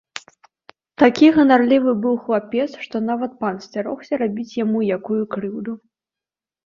Такі ганарлівы быў хлапец, што нават пан сцярогся рабіць яму якую крыўду.